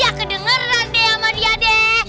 ya kedengeran deh sama dia deh